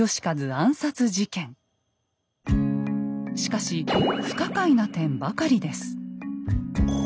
しかし不可解な点ばかりです。